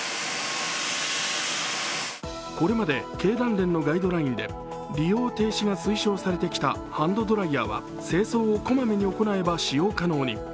これまで経団連のガイドラインで利用停止が推奨されてきたハンドドライヤーは清掃をこまめに行えば使用可能に。